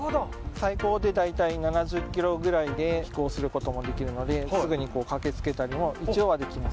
最高で大体７０キロぐらいで飛行することもできるので、すぐに駆けつけたりも一応はできます。